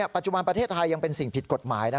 ปัจจุบันประเทศไทยยังเป็นสิ่งผิดกฎหมาย